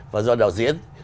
và do đạo diễn